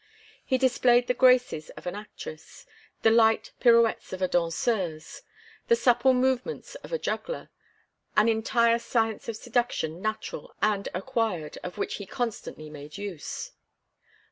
He displayed the graces of an actress, the light pirouettes of a danseuse, the supple movements of a juggler, an entire science of seduction natural and acquired, of which he constantly made use.